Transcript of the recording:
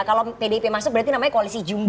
kalau pdip masuk berarti namanya koalisi jumbo